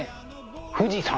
富士山。